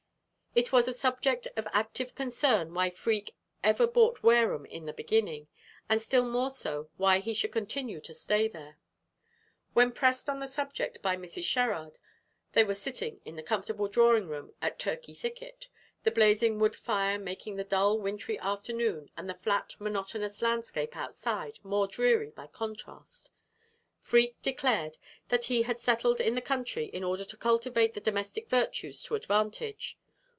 It was a subject of active concern why Freke ever bought Wareham in the beginning, and still more so why he should continue to stay there. When pressed on the subject by Mrs. Sherrard they were sitting in the comfortable drawing room at Turkey Thicket, the blazing wood fire making the dull wintry afternoon, and the flat, monotonous landscape outside more dreary by contrast Freke declared that he had settled in the country in order to cultivate the domestic virtues to advantage.